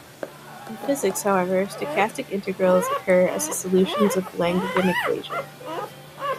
In physics, however, stochastic integrals occur as the solutions of Langevin equations.